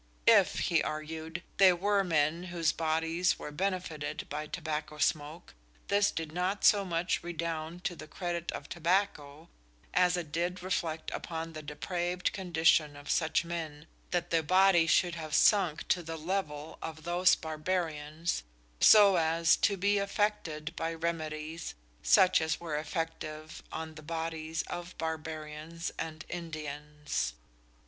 If, he argued, there were men whose bodies were benefited by tobacco smoke, this did not so much redound to the credit of tobacco, as it did reflect upon the depraved condition of such men, that their bodies should have sunk to the level of those of Barbarians so as to be affected by remedies such as were effective on the bodies of Barbarians and Indians!